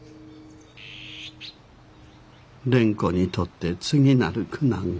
蓮子にとって次なる苦難が。